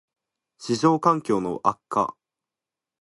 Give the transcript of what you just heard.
① 市場環境の悪化